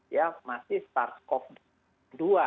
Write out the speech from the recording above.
ya masih start covid dua